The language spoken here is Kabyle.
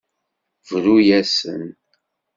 Bru-asen.